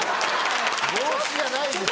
帽子じゃないです！